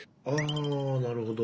あなるほど。